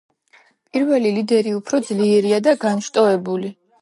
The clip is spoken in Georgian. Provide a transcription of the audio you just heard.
პირველი ლიდერი უფრო ძლიერია და განშტოებული.